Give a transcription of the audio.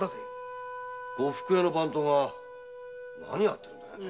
呉服屋の番頭が何やってんだい？